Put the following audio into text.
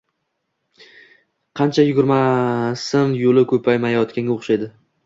Qancha yugurmasin, yo‘li ko‘paymayotganga o‘xshardi.